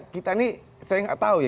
kita ini saya nggak tahu ya